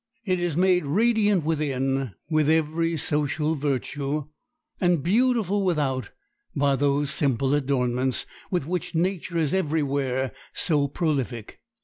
It is made radiant within with every social virtue, and beautiful without by those simple adornments with which nature is every where so prolific.